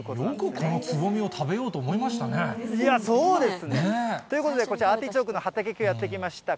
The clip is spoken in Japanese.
よくこのつぼみを食べようとそうです、ということでこちら、アーティチョークの畑にきょうやって来ました。